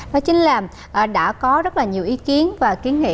nó chính là đã có rất là nhiều ý kiến và kiến nghị